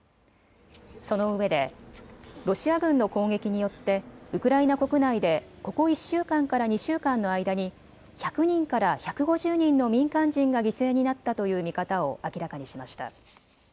そのうえでロシア軍の攻撃によってウクライナ国内でここ１週間から２週間の間に１００人から１５０人の民間人が犠牲になったという見方を明らかにしました。